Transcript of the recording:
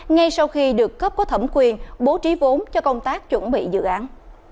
ngay sau khi được cấp có thẩm quyền bố trí vốn cho công tác chuẩn bị dự án